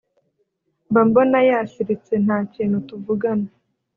mba mbona yasiritse nta kintu tuvugana